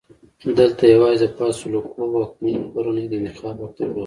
دلته یوازې د فاسولوکو واکمنې کورنۍ د انتخاب حق درلود.